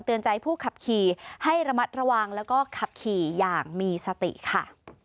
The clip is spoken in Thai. ใจผู้ขับขี่ให้ระมัดระวังแล้วก็ขับขี่อย่างมีสติค่ะ